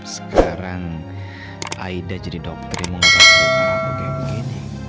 sekarang aida jadi dokter yang mengobati aku kayak begini